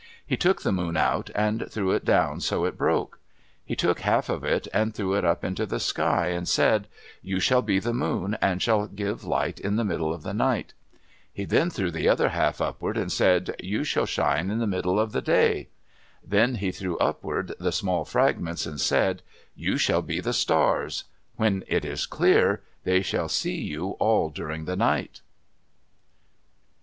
He took the moon out, and threw it down so it broke. He took half of it and threw it up into the sky, and said, "You shall be the moon and shall give light in the middle of the night." He then threw the other half upward and said, "You shall shine in the middle of the day." Then he threw upward the small fragments, and said, "You shall be the stars; when it is clear, they shall see you all during the night."